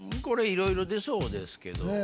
これいろいろ出そうですけど。